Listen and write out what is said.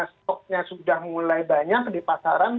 stoknya sudah mulai banyak di pasaran